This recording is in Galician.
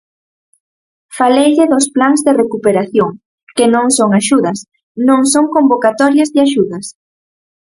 Faleille dos plans de recuperación, que non son axudas, non son convocatorias de axudas.